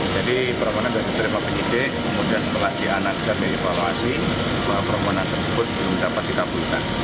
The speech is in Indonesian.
jadi permohonan sudah diterima penyidik kemudian setelah dianalisa dan evaluasi permohonan tersebut belum dapat ditaburkan